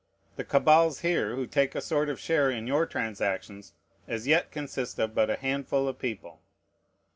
The cabals here who take a sort of share in your transactions as yet consist of but a handful of people.